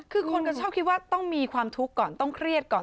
คือคนก็ชอบคิดว่าต้องมีความทุกข์ก่อนต้องเครียดก่อน